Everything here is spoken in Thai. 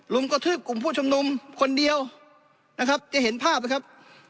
ลุงกะทืบกลุ่มพู่ชุมนุมคนเดียวจะเห็นภาพแล้วครับ